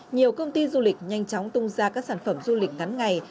nhiều công ty du lịch nhanh chóng tung ra các sản phẩm du lịch ngắn ngày